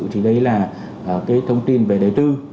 thì đây là cái thông tin về đầy tư